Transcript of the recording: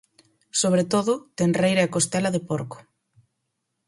Sobre todo, tenreira e costela de porco.